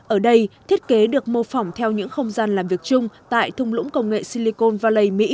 ở đây thiết kế được mô phỏng theo những không gian làm việc chung tại thung lũng công nghệ silicon valley mỹ